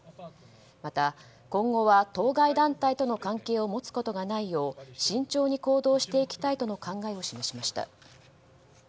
また、今後は当該団体との関係を持つことがないよう慎重に行動していきたいとの考えを示しました。